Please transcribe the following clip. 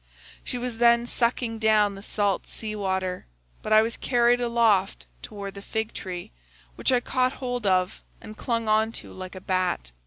She was then sucking down the salt sea water,106 but I was carried aloft toward the fig tree, which I caught hold of and clung on to like a bat.